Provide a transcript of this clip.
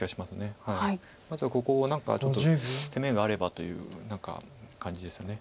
まずはここを何かちょっと攻めがあればという感じですよね。